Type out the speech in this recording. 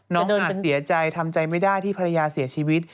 เดินไปเสียใจทำใจไม่ได้ที่ภรรยาเสียชีวิต